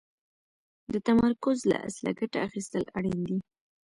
د تمرکز له اصله ګټه اخيستل اړين دي.